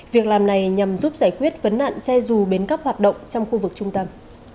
việc làm này nhằm giúp giải quyết vấn nạn xe dù bến cóc hoạt động trong khu vực trung tâm